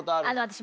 私。